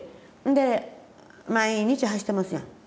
で毎日走ってますやん。